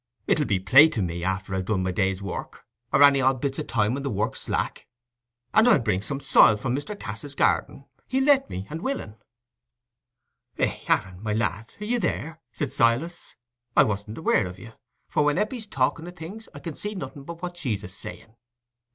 "It'll be play to me after I've done my day's work, or any odd bits o' time when the work's slack. And I'll bring you some soil from Mr. Cass's garden—he'll let me, and willing." "Eh, Aaron, my lad, are you there?" said Silas; "I wasn't aware of you; for when Eppie's talking o' things, I see nothing but what she's a saying.